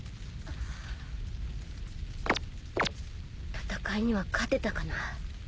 戦いには勝てたかな。